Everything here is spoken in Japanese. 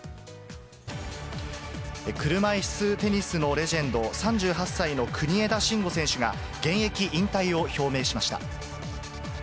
車いすテニスのレジェンド、３８歳の国枝慎吾選手が、現役引退を表明しました。